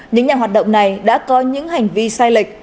những nhà hoạt động này đã có những hành vi sai lệch